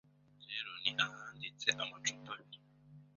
rero ni ahanditse amacupa abiri,